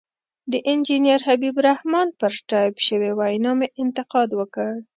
د انجنیر حبیب الرحمن پر ټایپ شوې وینا مې انتقاد وکړ.